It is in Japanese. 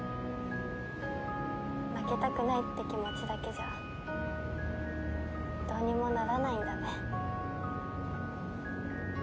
負けたくないって気持ちだけじゃどうにもならないんだね。